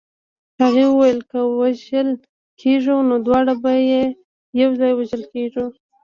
هغې ویل که وژل کېږو نو دواړه به یو ځای وژل کېږو